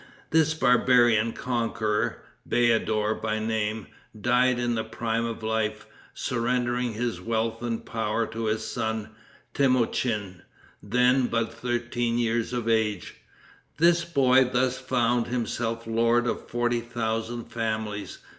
This barbarian conqueror, Bayadour by name, died in the prime of life, surrendering his wealth and power to his son, Temoutchin, then but thirteen years of age. This boy thus found himself lord of forty thousand families.